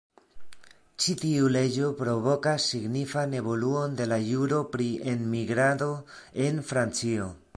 Ĉi tiu leĝo provokas signifan evoluon de la juro pri enmigrado en Francio.